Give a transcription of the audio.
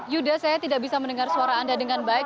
yuda saya tidak bisa mendengar suara anda dengan baik